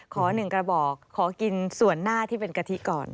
๑กระบอกขอกินส่วนหน้าที่เป็นกะทิก่อน